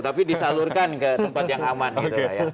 tapi disalurkan ke tempat yang aman gitu ya